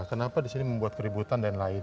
kenapa disini membuat keributan dan lain lain